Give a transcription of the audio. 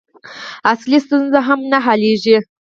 اصلي ستونزه هم نه حلېږي.